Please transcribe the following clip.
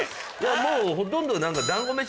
もうほとんど何か。